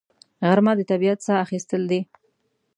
غرمه د طبیعت ساه اخیستل دي